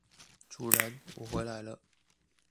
主人....我回來了